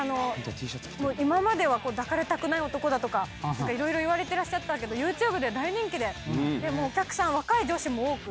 今までは抱かれたくない男だとか色々言われてらっしゃったけどＹｏｕＴｕｂｅで大人気で。でお客さん若い女子も多くて。